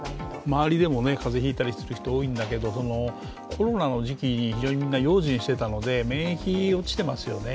周りでも風邪ひいたりする人多いんだけどコロナの時期に非常にみんな用心してたので免疫、落ちてますよね。